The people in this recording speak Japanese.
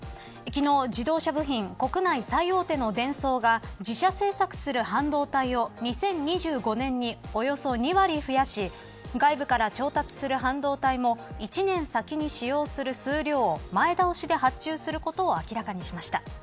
昨日、自動車部品国内最大手のデンソーが自社製作する半導体を２０２５年におよそ２割増やし外部から調達する半導体も１年先に使用する数量を前倒しで発注することを明らかにしました。